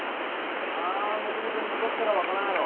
そらもともと鈍かったら分からんやろ。